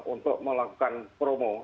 untuk melakukan promo